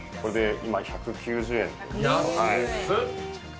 １９０円？